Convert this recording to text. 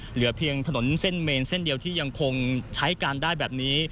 เหลือเพียงถนนเส้นเมนเส้นเดียวที่ยังคงใช้การได้แบบนี้